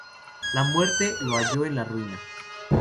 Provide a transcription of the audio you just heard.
La muerte lo halló en la ruina.